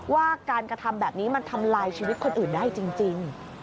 ว่าการกระทำแบบนี้มันทำลายชีวิตคนอื่นได้จริง